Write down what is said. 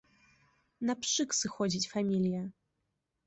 На пшык сыходзіць фамілія.